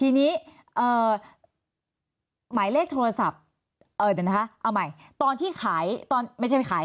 อ๋ออ๋ออ๋อทีนี้หมายเลขโทรศัพท์เออเดี๋ยวนะคะเอาใหม่